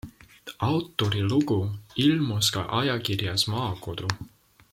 Autori lugu ilmus ka ajakirjas Maakodu.